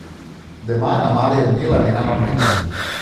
Demà na Mar i en Nil aniran al metge.